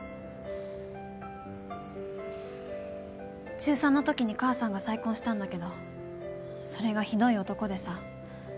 中３のときに母さんが再婚したんだけどそれがひどい男でさ。